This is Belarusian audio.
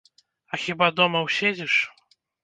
А хіба дома ўседзіш?